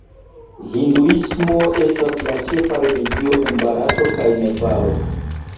Hinduismo estas la ĉefa religio en Barato kaj Nepalo.